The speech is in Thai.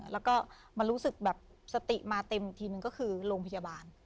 แล้วก็มารู้สึกแบบสติมาเต็มอีกทีนึงก็คือโรงพยาบาล